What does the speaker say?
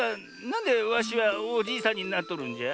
んでわしはおじいさんになっとるんじゃ？